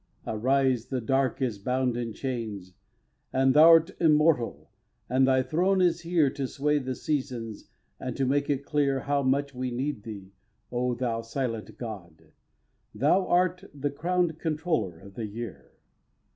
Arise! The Dark is bound in chains, And thou'rt immortal, and thy throne is here To sway the seasons, and to make it clear How much we need thee, O thou silent god! That art the crown'd controller of the year.